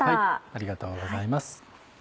ありがとうございます。